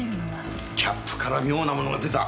キャップから妙なものが出た。